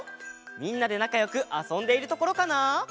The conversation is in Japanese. みんなでなかよくあそんでいるところかな？